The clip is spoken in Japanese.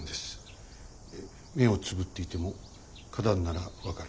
目をつぶっていても花壇なら分かる。